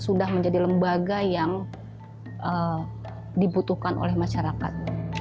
sudah menjadi lembaga yang dibutuhkan oleh masyarakat